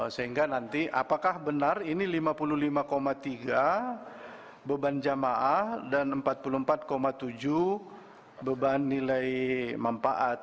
sehingga nanti apakah benar ini lima puluh lima tiga beban jamaah dan empat puluh empat tujuh beban nilai manfaat